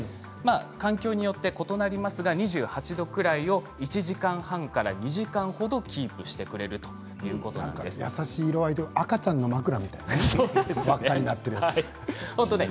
環境によって異なりますが２８度くらいを、１時間半から２時間ほどキープしてくれる優しい色合いで赤ちゃんの枕みたいだね。